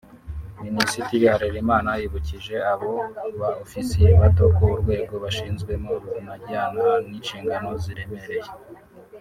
Minisitiri Harerimana yibukije abo ba Ofisiye bato ko urwego bashyizwemo runajyana n’inshingano ziremereye